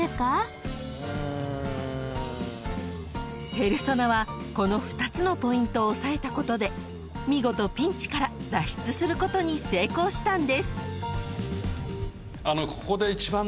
［ペルソナはこの２つのポイントを押さえたことで見事ピンチから脱出することに成功したんです］